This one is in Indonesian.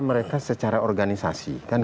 mereka secara organisasi kan